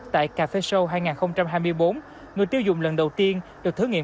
tại cà phê show hai nghìn hai mươi bốn người tiêu dùng lần đầu tiên được thử nghiệm